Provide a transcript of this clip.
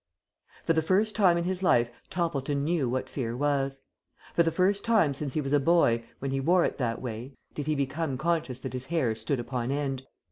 For the first time in his life Toppleton knew what fear was; for the first time since he was a boy, when he wore it that way, did he become conscious that his hair stood upon end.